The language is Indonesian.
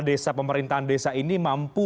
desa pemerintahan desa ini mampu